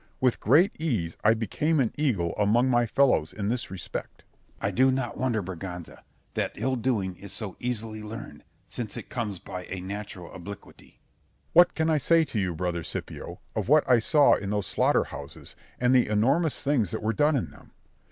With great ease I became an eagle among my fellows in this respect. Scip. I do not wonder, Berganza, that ill doing is so easily learned, since it comes by a natural obliquity. Berg. What can I say to you, brother Scipio, of what I saw in those slaughter houses, and the enormous things that were done in them?